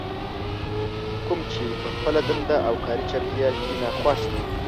کوم چې په خپله دنده او کاري چاپېريال کې ناخوښ دي.